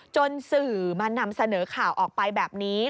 จนสื่อมานำเสนอข่าวออกไปแบบนี้